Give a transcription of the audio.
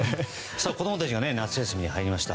子供たちが夏休みに入りました。